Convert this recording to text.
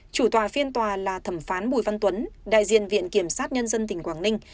chủ tòa phiên tòa là thẩm phán bùi văn tuấn đại diện viện kiểm sát nhân dân tỉnh quảng ninh